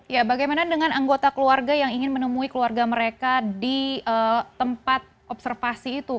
ya bagaimana dengan anggota keluarga yang ingin menemui keluarga mereka di tempat observasi itu